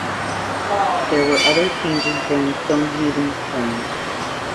There were other changes during Stonehaven's term.